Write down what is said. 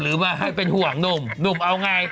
หรือว่าให้เป็นห่วงนุ่มไหน